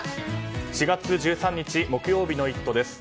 ４月１３日、木曜日の「イット！」です。